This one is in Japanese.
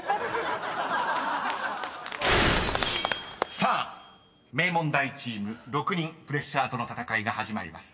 ［さあ名門大チーム６人プレッシャーとの闘いが始まります。